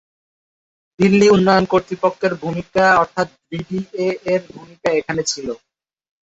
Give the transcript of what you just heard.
দিল্লি উন্নয়ন কর্তৃপক্ষের ভূমিকা অর্থাৎ ডিডিএ-এর ভূমিকা এখানে ছিল।